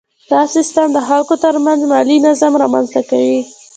دا سیستم د خلکو ترمنځ مالي نظم رامنځته کوي.